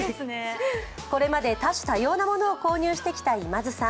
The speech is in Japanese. これまで多種多様なものを購入してきた今津さん。